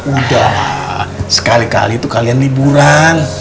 udah sekali kali itu kalian liburan